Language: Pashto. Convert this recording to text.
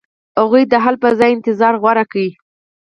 هغوی د حل په ځای انتظار غوره کړ.